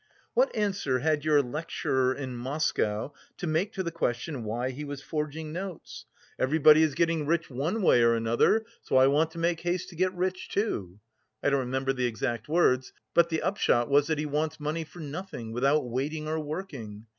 "What answer had your lecturer in Moscow to make to the question why he was forging notes? 'Everybody is getting rich one way or another, so I want to make haste to get rich too.' I don't remember the exact words, but the upshot was that he wants money for nothing, without waiting or working!